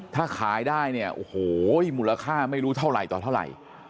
ถ้าขายได้เนี่ยโอ้โหมูลค่าไม่รู้เท่าไหร่ต่อเท่าไหร่